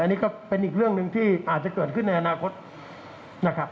อันนี้ก็เป็นอีกเรื่องหนึ่งที่อาจจะเกิดขึ้นในอนาคตนะครับ